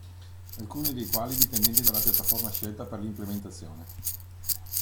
Alcuni dei quali dipendenti dalla piattaforma scelta per l'implementazione.